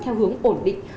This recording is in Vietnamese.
theo hướng ổn định